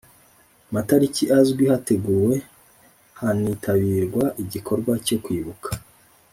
matariki azwi hateguwe hanitabirwa igikorwa cyo Kwibuka